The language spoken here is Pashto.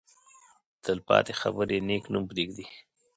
تل پاتې خبرې نېک نوم پرېږدي.